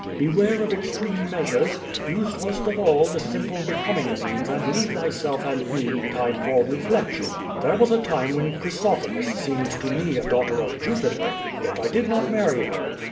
Beware of extreme measures. Use first of all the simple, becoming means and leave thyself and me time for reflection. There was a time when Chryso themis seemed to me a daughter of Jupiter, yet I did not marry her.